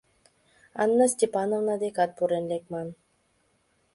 Анна Степановна декат пурен лекман.